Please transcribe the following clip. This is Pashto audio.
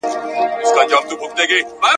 یو ناڅاپه سوه را ویښه له خوبونو ,